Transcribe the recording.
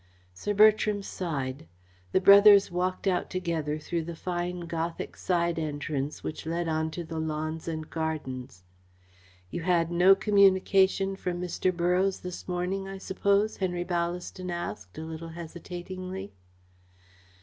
Sir Bertram sighed. The brothers walked out together through the fine Gothic side entrance which led on to the lawns and gardens. "You had no communication from Mr. Borroughes this morning, I suppose?" Henry Ballaston asked, a little hesitatingly.